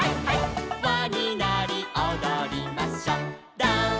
「わになりおどりましょう」